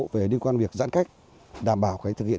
về liên quan việc giãn cách đảm bảo cái thực hiện